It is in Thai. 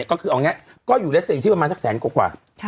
ก็คือเอาง่ายก็อยู่แล้วสิ่งที่ประมาณสักแสนกว่า